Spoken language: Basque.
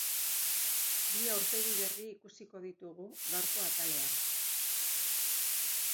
Bi aurpegi berri ikusiko ditugu gaurko atalean.